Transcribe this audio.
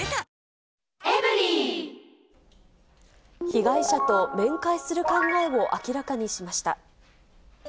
被害者と面会する考えを明らかにしました。